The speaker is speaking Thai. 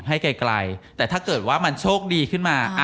ให้ไกลแต่ถ้าเกิดว่ามันโชคดีขึ้นมา